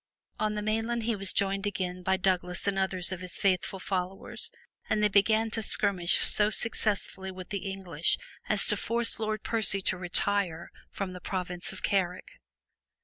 On the mainland he was joined again by Douglas and others of his faithful followers, and they began to skirmish so successfully with the English as to force Lord Percy to retire from the province of Carrick.